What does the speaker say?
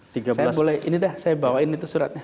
saya boleh ini dah saya bawain itu suratnya